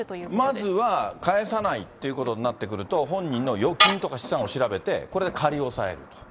まずは返さないっていうことになってくると、本人の預金とか資産を調べて、これで仮押さえると。